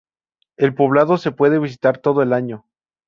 El poblado se puede visitar todo el año.